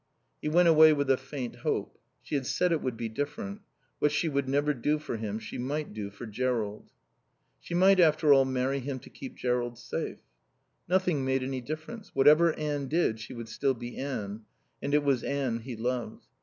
He went away with a faint hope. She had said it would be different; what she would never do for him she might do for Jerrold. She might, after all, marry him to keep Jerrold safe. Nothing made any difference. Whatever Anne did she would still be Anne. And it was Anne he loved.